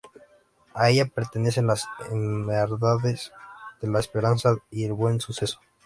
A ella pertenecen las hermandades de La Esperanza y El Buen Suceso.